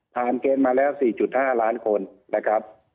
เกณฑ์มาแล้ว๔๕ล้านคนนะครับ